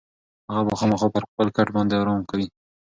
هغه به خامخا پر خپل کټ باندې ارام کوي.